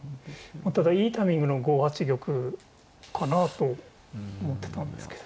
まあただいいタイミングの５八玉かなと思ってたんですけど。